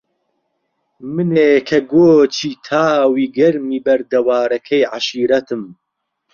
منێ کە گۆچی تاوی گەرمی بەردەوارەکەی عەشیرەتم